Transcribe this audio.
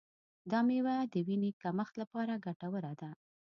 دا میوه د وینې کمښت لپاره ګټوره ده.